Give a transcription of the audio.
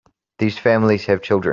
These families have children.